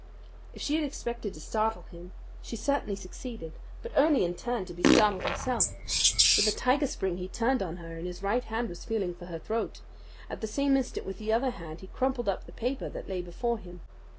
If she had expected to startle him, she certainly succeeded; but only in turn to be startled herself. With a tiger spring he turned on her, and his right hand was feeling for her throat. At the same instant with the other hand he crumpled up the paper that lay before him.